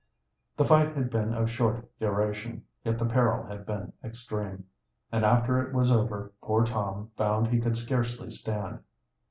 The fight had been of short duration, yet the peril had been extreme, and after it was over poor Tom found he could scarcely stand.